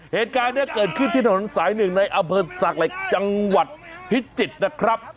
เหตุการณ์เนี่ยเกิดขึ้นที่ทศนศาสนึกในอเบิดซากละจังหวัดพิชจิตนะครับ